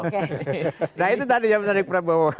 nah itu tadi yang menarik prabowo